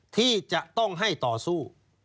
ที่จะต้องให้ต่อสู้